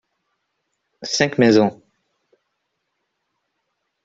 Cinq maisons.